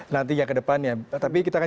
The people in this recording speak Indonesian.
nanti yang kedepannya tapi kita akan